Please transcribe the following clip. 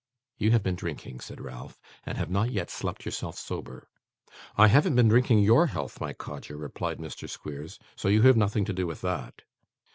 'You have been drinking,' said Ralph, 'and have not yet slept yourself sober.' 'I haven't been drinking YOUR health, my codger,' replied Mr. Squeers; 'so you have nothing to do with that.